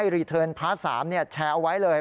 รีเทิร์นพาร์ท๓แชร์เอาไว้เลย